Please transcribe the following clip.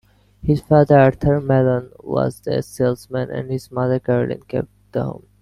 His father, Arthur Mallon, was a salesman and his mother, Caroline, kept the home.